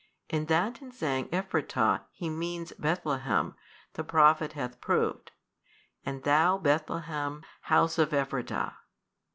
And that in saying Ephratah, he means Bethlehem, the Prophet hath proved, And thou, Bethlehem, house of Ephratah.